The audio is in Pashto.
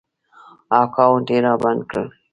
اکاونټ ېې رابند کړی و